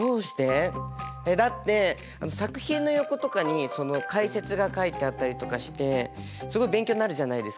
だって作品の横とかに解説が書いてあったりとかしてすごい勉強になるじゃないですか。